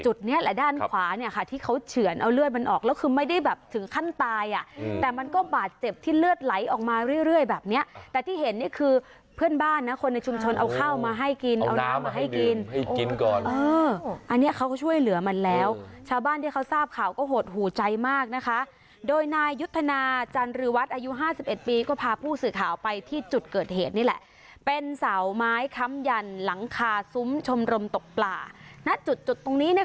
จุดนี้แหละด้านขวาเนี่ยค่ะที่เขาเฉื่อนเอาเลือดมันออกแล้วคือไม่ได้แบบถึงขั้นตายอ่ะแต่มันก็บาดเจ็บที่เลือดไหลออกมาเรื่อยแบบเนี้ยแต่ที่เห็นนี่คือเพื่อนบ้านนะคนในชุมชนเอาข้าวมาให้กินเอาน้ำให้กินให้กินก่อนอันนี้เขาช่วยเหลือมันแล้วชาวบ้านที่เขาทราบข่าวก็หดหูใจมากนะคะโดยนายยุทธนาจันริ